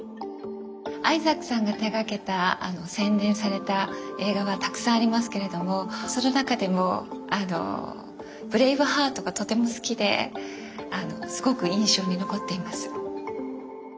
アイザックスさんが手がけた宣伝された映画はたくさんありますけれどもその中でも「ブレイブハート」がとても好きですごく印象に残っています。